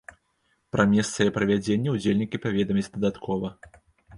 Пра месца яе правядзення ўдзельнікі паведамяць дадаткова.